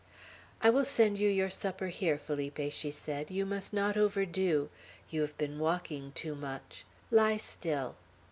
"I will send your supper here, Felipe," she said; "you must not overdo; you have been walking too much. Lie still."